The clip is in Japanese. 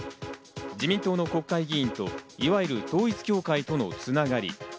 自民党の国会議員といわゆる統一教会との繋がり。